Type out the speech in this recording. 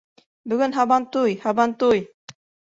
— Бөгөн һабантуй, һабантуй!